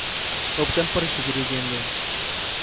Optan por seguir huyendo.